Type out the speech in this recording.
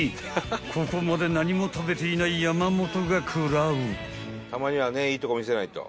［ここまで何も食べていない山本が食らう］